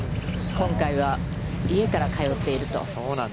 今回は、家から通っていると。